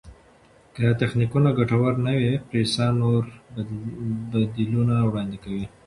که تخنیکونه ګټور نه وي، پریسا نور بدیلونه وړاندیز کوي.